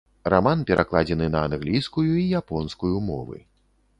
Раман перакладзены на англійскую і японскую мовы.